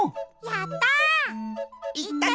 やった！